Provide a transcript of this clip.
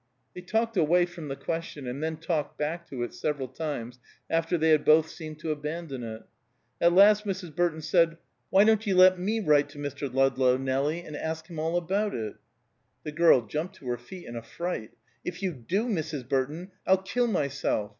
They talked away from the question, and then talked back to it several times, after they had both seemed to abandon it. At last Mrs. Burton said, "Why don't you let me write to Mr. Ludlow, Nelie, and ask him all about it?" The girl jumped to her feet in a fright. "If you do, Mrs. Burton, I'll kill myself!